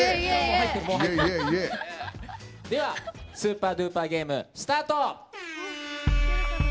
イエー！では「スーパードゥーパーゲーム」スタート！